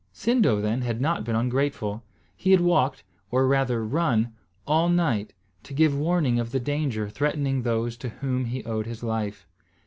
Sindo, then, had not been ungrateful; he had walked, or rather run, all night, to give warning of the danger threatening those to whom he owed his life.